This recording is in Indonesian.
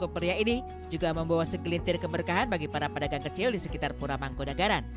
pria ini juga membawa segelintir keberkahan bagi para pedagang kecil di sekitar pura mangkodagaran